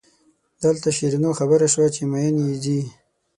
دلته شیرینو خبره شوه چې مئین یې ځي.